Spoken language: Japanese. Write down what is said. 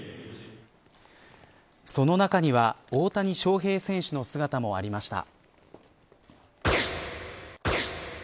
その中には大谷翔平選手の姿もありました。